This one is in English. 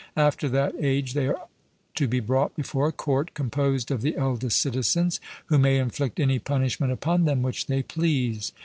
After that age they are to be brought before a court composed of the eldest citizens, who may inflict any punishment upon them which they please.